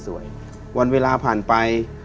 วันเวลาผ่านไป